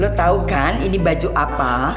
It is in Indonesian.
lo tau kan ini baju apa